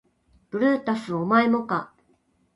ブルータスお前もか